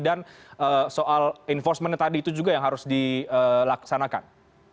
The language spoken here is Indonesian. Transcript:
dan soal enforcement tadi itu juga yang harus dilaksanakan